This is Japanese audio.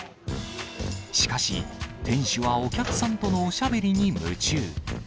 しかし、店主はお客さんとのおしゃべりに夢中。